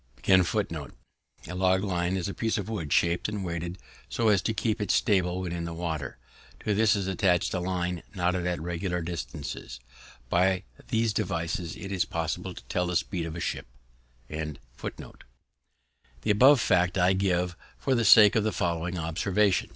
A piece of wood shaped and weighted so as to keep it stable when in the water. To this is attached a line knotted at regular distances. By these devices it is possible to tell the speed of a ship. The above fact I give for the sake of the following observation.